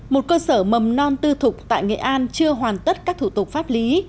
một cơ sở mầm non tư thục tại nghệ an chưa hoàn tất các thủ tục pháp lý